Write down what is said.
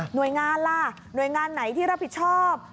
งานล่ะหน่วยงานไหนที่รับผิดชอบ